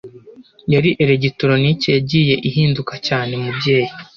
ya elegitoroniki yagiye ihinduka cyane mubyeyi